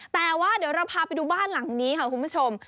แต่ว่าเดี๋ยวเราพาไปดูบ้านหลังนี้ค่ะคุณผู้ชม